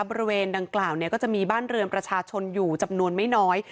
บริเวณดังกล่าวก็จะมีบ้านเรือนประชาชนอยู่จำนวนไม่น้อย